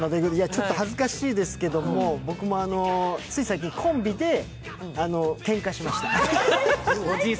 ちょっと恥ずかしいですけど、僕もつい最近コンビでけんかしました。